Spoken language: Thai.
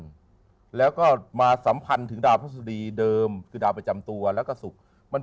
จันทร์แล้วก็มาสัมพันธุ์ถึงด้านประสุทธิเดิมคือดาวประจำตัวแล้วก็ศุกร์มัน